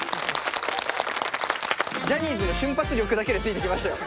ジャニーズの瞬発力だけでついてきましたよ。